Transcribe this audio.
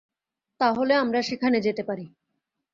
তাহলে, আমরা সেখানে যেতে পারি।